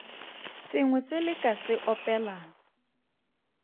Sengwe se le ka se opelang.